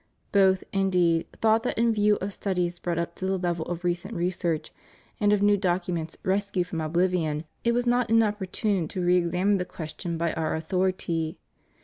Both, indeed, thought that in view of studies brought up to the level of recent research, and of new documents rescued from oblivion, it was not inopportune to re examine the question by Our authority.